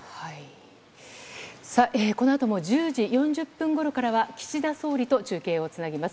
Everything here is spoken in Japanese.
このあとも１０時４０分ごろからは、岸田総理と中継をつなぎます。